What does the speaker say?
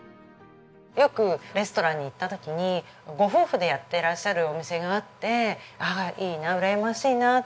よくレストランに行った時にご夫婦でやってらっしゃるお店があって「ああいいなうらやましいな」。